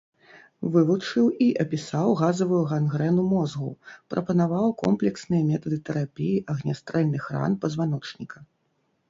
Вывучыў і апісаў газавую гангрэну мозгу, прапанаваў комплексныя метады тэрапіі агнястрэльных ран пазваночніка.